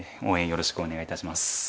応援よろしくお願いいたします。